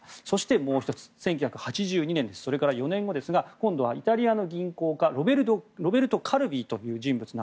もう１つ、１９８２年それから４年後ですが今度はイタリアの銀行家ロベルト・カルヴィという人物。